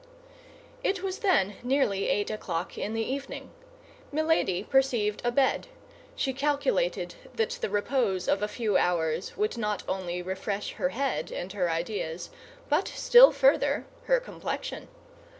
It was then nearly eight o'clock in the evening. Milady perceived a bed; she calculated that the repose of a few hours would not only refresh her head and her ideas, but still further, her complexion.